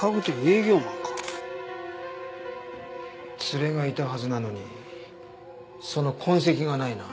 連れがいたはずなのにその痕跡がないな。